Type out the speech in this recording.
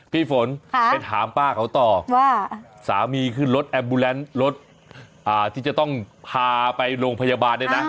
พี่ฝนไปถามป้าเขาต่อว่าสามีขึ้นรถแอมบูแลนซ์รถที่จะต้องพาไปโรงพยาบาลเนี่ยนะ